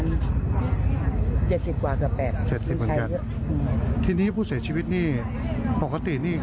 เนื้อกตั้งไปแข็งแรง